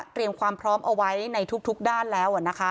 ความพร้อมเอาไว้ในทุกด้านแล้ว